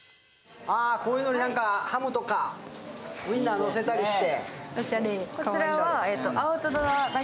こういうのにハムとかウインナーのせたりして。